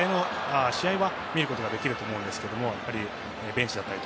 試合は見ることができると思うんですけどベンチだったり